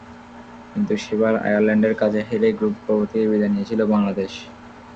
কিন্তু সেবার আয়ারল্যান্ডের কাছে হেরে গ্রুপ পর্ব থেকেই বিদায় নিয়েছিল বাংলাদেশ।